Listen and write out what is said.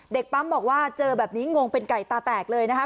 ปั๊มบอกว่าเจอแบบนี้งงเป็นไก่ตาแตกเลยนะคะ